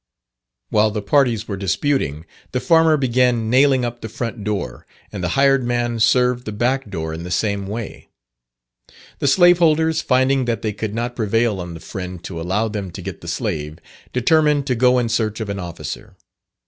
While the parties were disputing, the farmer began nailing up the front door, and the hired man served the back door in the same way. The slaveholders, finding that they could not prevail on the Friend to allow them to get the slave, determined to go in search of an officer.